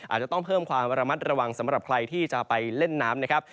อาจจะต้องเพิ่มความระมัดระวังสำหรับใครที่จะไปเล่นน้ำนะครับ